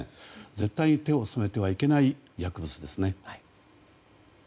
絶対に手を染めてはいけない薬物ですね。